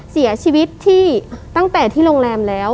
เสียชีวิตที่ตั้งแต่ที่โรงแรมแล้ว